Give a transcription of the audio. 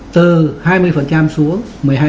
từ hai mươi xuống một mươi hai